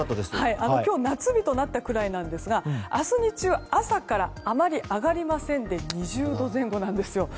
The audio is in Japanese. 今日、夏日となったぐらいなんですが明日、日中朝からあまり上がりませんで２０度前後なんですよ。